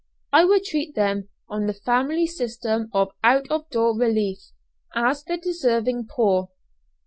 I would treat them, on the family system of out of door relief, as the deserving poor.